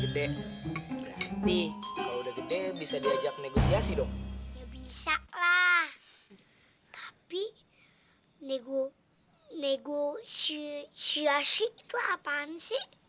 gede nih udah gede bisa diajak negosiasi dong bisa lah tapi nego nego si si asyik apaan sih